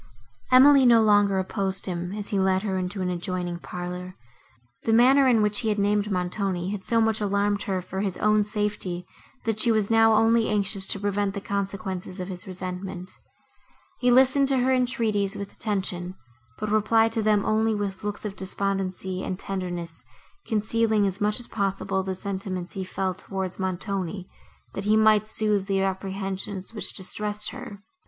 Emily no longer opposed him, as he led her into an adjoining parlour; the manner, in which he had named Montoni, had so much alarmed her for his own safety, that she was now only anxious to prevent the consequences of his just resentment. He listened to her entreaties, with attention, but replied to them only with looks of despondency and tenderness, concealing, as much as possible, the sentiments he felt towards Montoni, that he might soothe the apprehensions, which distressed her.